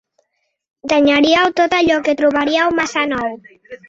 Danyaríeu tot allò que trobaríeu massa nou.